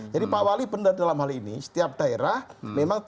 jadi pak wali benar dalam hal ini setiap daerah memang tidak harus sama dengan peraturan itu